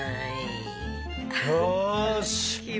よし。